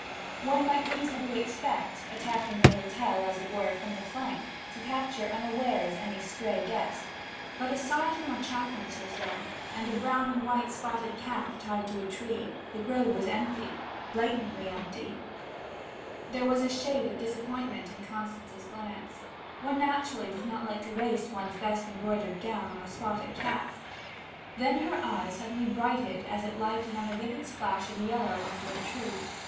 One might reasonably expect, attacking the hotel as it were from the flank, to capture unawares any stray guest. But aside from a chaffinch or so and a brown and white spotted calf tied to a tree, the grove was empty blatantly empty. There was a shade of disappointment in Constance's glance. One naturally does not like to waste one's best embroidered gown on a spotted calf. Then her eye suddenly brightened as it lighted on a vivid splash of yellow under a tree.